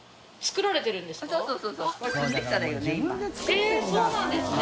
えぇそうなんですね。